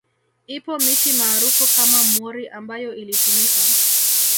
Ipo miti maarufu kama mwori ambayo ilitumika